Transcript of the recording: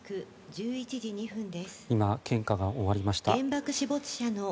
今献花が終わりました。